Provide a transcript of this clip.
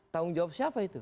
tanggung jawab siapa itu